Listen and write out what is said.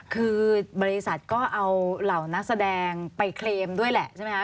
คือบริษัทก็เอาเหล่านักแสดงไปเคลมด้วยแหละใช่ไหมคะ